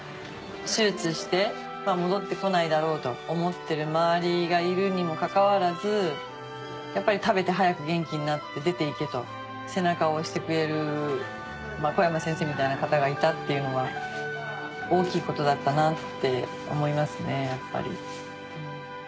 手術して戻ってこないだろうと思ってる周りがいるにもかかわらず食べて早く元気になって出ていけと背中を押してくれる小山先生みたいな方がいたっていうのは大きいことだったなって思いますね。